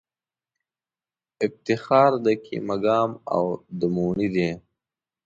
افتخار د کېمه ګام او د موڼی دی